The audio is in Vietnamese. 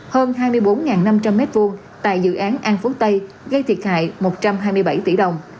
hơn hai mươi bốn năm trăm linh m hai tại dự án an phú tây gây thiệt hại một trăm hai mươi bảy tỷ đồng